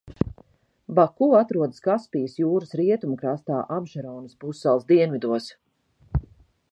Baku atrodas Kaspijas jūras rietumu krastā, Abšeronas pussalas dienvidos.